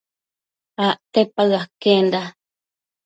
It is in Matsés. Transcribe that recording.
Acte paë aquenda